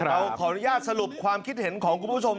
เราขออนุญาตสรุปความคิดเห็นของคุณผู้ชม